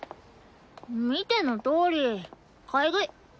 見てのとおり買い食い。